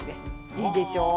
いいでしょ。